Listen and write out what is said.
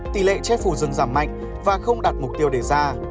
tỷ lệ chết phù rừng giảm mạnh và không đạt mục tiêu đề ra